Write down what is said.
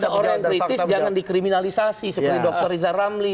dan kalau ada orang yang kritis jangan dikriminalisasi seperti dr riza ramli